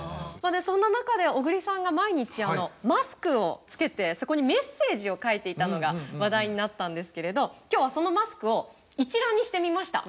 そんな中で小栗さんが毎日マスクをつけてそこにメッセージを書いていたのが話題になったんですけれど今日はそのマスクを一覧にしてみました。